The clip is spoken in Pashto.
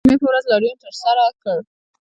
موږ د جمعې په ورځ لاریون ترسره کړ